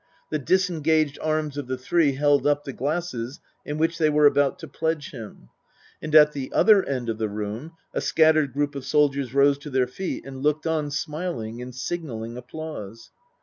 The disengaged arms of the three held up the glasses in which they were about to pledge him. And at the other end of the room a scattered group of soldiers rose to their feet and looked on smiling and signalling applause.